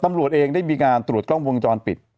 ตำรวจเองได้มีการตรวจกล้องวงจรปิด